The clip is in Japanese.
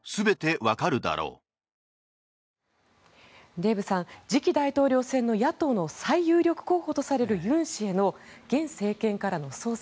デーブさん次期大統領選の野党の最有力候補とされるユン氏への現政権からの捜査。